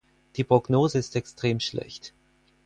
Die Prognose ist extrem schlecht.